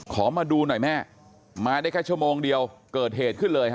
ขอมาดูหน่อยแม่มาได้แค่ชั่วโมงเดียวเกิดเหตุขึ้นเลย